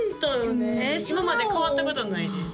今まで変わったことないです